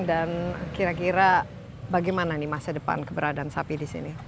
dan kira kira bagaimana nih masa depan keberadaan sapi di sini